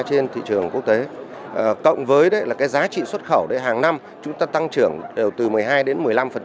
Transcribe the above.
trên thị trường quốc tế cộng với cái giá trị xuất khẩu hàng năm chúng ta tăng trưởng đều từ một mươi hai đến một mươi năm